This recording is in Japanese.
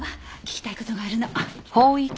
聞きたい事があるの。